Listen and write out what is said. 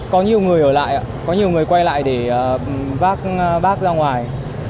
có nhiều người ở lại có nhiều người quay lại để vác bác ra ngoài